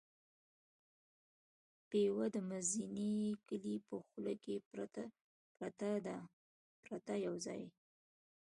پېوه د مزینې کلي په خوله کې پرته ده یو ځای.